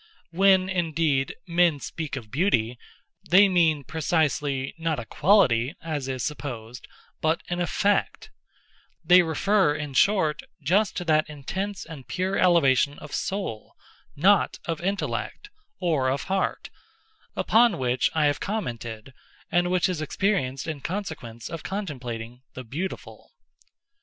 When, indeed, men speak of Beauty, they mean, precisely, not a quality, as is supposed, but an effect—they refer, in short, just to that intense and pure elevation of soul—not of intellect, or of heart—upon which I have commented, and which is experienced in consequence of contemplating "the beautiful."